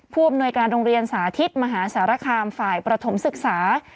ผู้อำนวยการโรงเรียนสาธิตมหาสารคามฝ่ายประถมศึกษา